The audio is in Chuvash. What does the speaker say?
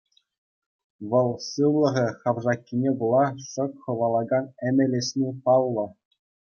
Вӑл сывлӑхӗ хавшаккине пула шӑк хӑвалакан эмел ӗҫни паллӑ.